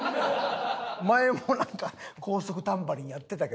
前もなんか高速タンバリンやってたけど。